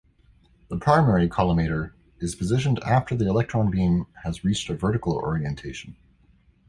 The primary collimator is positioned after the electron beam has reached a vertical orientation.